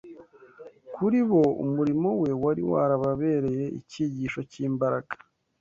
Kuri bo umurimo we wari warababereye icyigisho cy’imbaraga